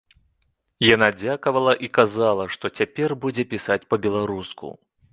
Яна дзякавала і казала, што цяпер будзе пісаць па-беларуску!